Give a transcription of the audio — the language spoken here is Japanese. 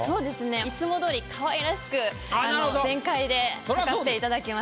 いつもどおりかわいらしく全開で描かせていただきました。